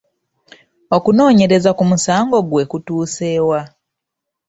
Okunoonyereza ku musango gwe kutuuse wa?